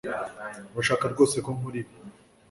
Urashaka rwose ko nkora ibi